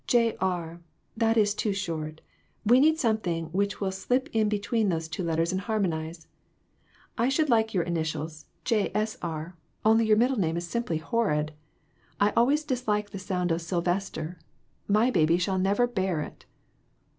'J. R.' that is too short; we need something which will slip in between those two letters and harmonize. I should like your 426 j. s. R. initials, John, J. S. R.,' only your middle name is simply horrid. I always disliked the sound of Sylvester; my baby shall never bear it."